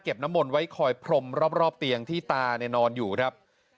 เก็บน้ำมลอยคอยพรมรอบเตียงที่ตานั่นนอนอยู่ครับ